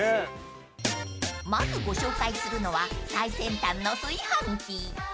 ［まずご紹介するのは最先端の炊飯器］